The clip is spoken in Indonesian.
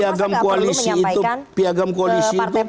masa nggak perlu menyampaikan ke partai partai koalisi lainnya